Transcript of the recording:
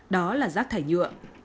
đó là rác thải nhựa